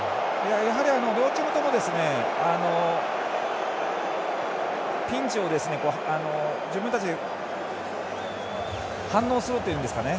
やはり両チームともピンチに、自分たちで反応するというんですかね。